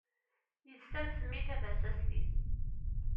Yessames mmi tabasast-is.